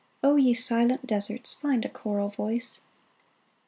O ye silent deserts, Find a choral voice